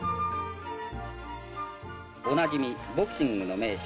「おなじみボクシングの名手